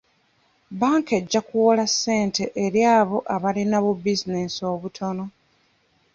Bbanka ejja kuwola ssente eri abo abalina bu bizinesi obutono.